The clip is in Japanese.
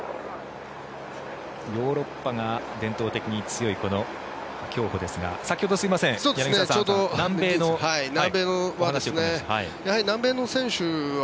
ヨーロッパが伝統的に強いこの競歩ですが先ほど柳澤さん南米のお話を。